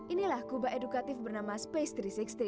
inilah kuba edukatif bernama space tiga ratus enam puluh